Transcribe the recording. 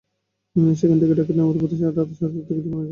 সেখান থেকে ঢাকা নেওয়ার পথে রাত সাড়ে আটটার দিকে তিনি মারা যান।